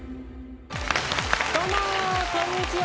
どうもこんにちは。